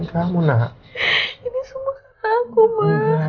ini semua salahku